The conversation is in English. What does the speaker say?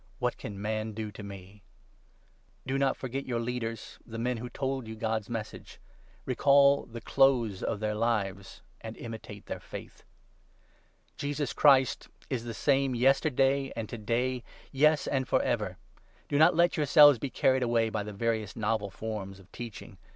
What can man do to me ?' Do not forget your Leaders, the men who told 7 Chr^and y°u God's Message. Recall the close of their the Leaders lives, and imitate their faith. in the church. Jesus Christ is the same yesterday and to day 8 — yes, and for ever ! Do not let yourselves be carried away 9 by the various novel forms of teaching.